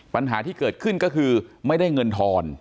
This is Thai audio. ปัญหาที่เกิดขึ้นก็คือไม่ได้เงินทอน